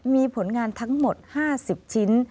มีผลงานทั้งหมด๕๐ชิ้น